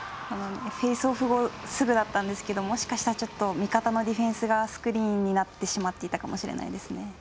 フェイスオフ後すぐだったんですけどもしかしたらちょっと味方のディフェンスがスクリーンになってしまっていたかもしれませんね。